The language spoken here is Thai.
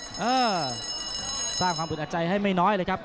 อ่าสร้างความตุดอาจัยให้ไม่น้อยเลยครับ